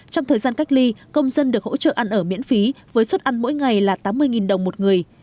trong thời gian cách ly công dân được hỗ trợ ăn ở miễn phí với suất ăn mỗi ngày là tám mươi đồng một người